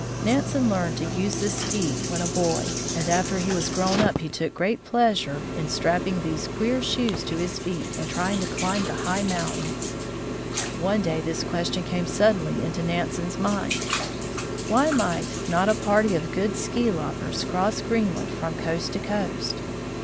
Nansen learned to use the ski when a boy, and after he was grown up he took great pleasure in strapping 104 NANSEN CROSSES GREENLAND 105 these queer shoes to his feet and trying to climb the high mountains. One day this question came suddenly into Nansen's mind : Why might not a party of good ski lobners cross Green land from coast to coast